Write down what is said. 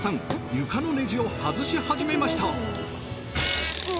床のネジを外し始めました。